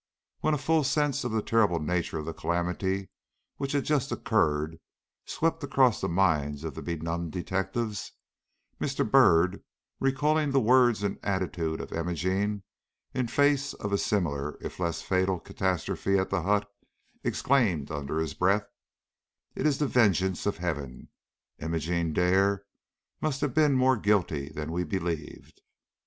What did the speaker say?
When a full sense of the terrible nature of the calamity which had just occurred swept across the minds of the benumbed detectives, Mr. Byrd, recalling the words and attitude of Imogene in face of a similar, if less fatal, catastrophe at the hut, exclaimed under his breath: "It is the vengeance of Heaven! Imogene Dare must have been more guilty than we believed."